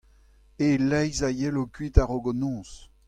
E-leizh a yelo kuit a-raok an noz.